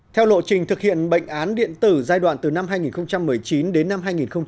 theo lộ trình thực hiện bệnh án điện tử giai đoạn từ năm hai nghìn một mươi chín đến năm hai nghìn hai mươi